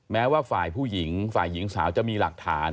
แม้ว่าฝ่ายผู้หญิงฝ่ายหญิงสาวจะมีหลักฐาน